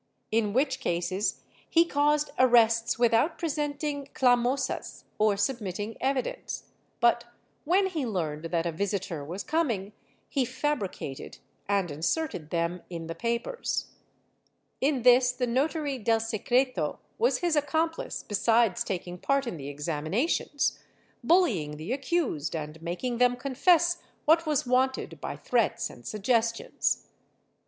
In witch cases he caused arrests without presenting clamosas or submitting evidence, but when he learned that a visitor was coming he fabricated and inserted them in the papers. In this the notary del secreto was his accomplice besides taking part in the examinations, bullying the accused and making them confess what was wanted by threats and suggestions.